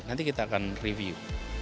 nanti kita akan review